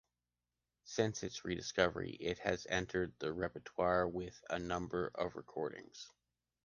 Since its rediscovery, it has entered the repertoire with a number of recordings.